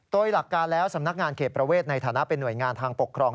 โดยหลักการแล้วสำนักงานเขตประเวทในฐานะเป็นหน่วยงานทางปกครอง